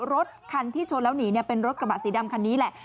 รถคันที่ชนแล้วหนีเป็นรถกระบะสีดำคันนี้แหละ